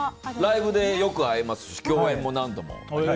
ライブでよく会いますし共演も何度も。